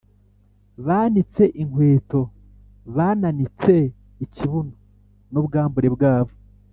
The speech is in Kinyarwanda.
banitse inkweto bananitse ikibuno n ubwambure bwabo